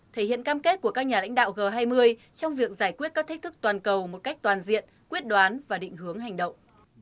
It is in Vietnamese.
thể hiện cam kết của các nhà lãnh đạo g hai mươi trong việc giải quyết các thách thức toàn cầu một cách toàn diện quyết đoán và định hướng hành động